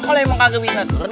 kalau emang kaget bisa turun